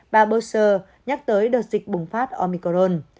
bà bowser nhắc tới đợt dịch bùng phát omicron